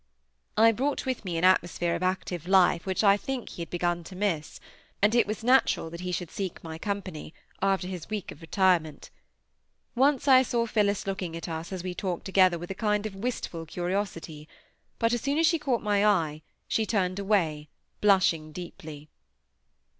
I brought with me an atmosphere of active life which I think he had begun to miss; and it was natural that he should seek my company, after his week of retirement. Once I saw Phillis looking at us as we talked together with a kind of wistful curiosity; but as soon as she caught my eye, she turned away, blushing deeply.